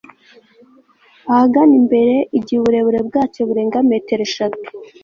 ahagana imbere igihe uburebure bwacyo burenga metero eshatu